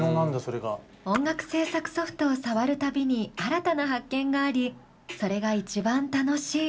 音楽制作ソフトを触る度に新たな発見がありそれが一番楽しい。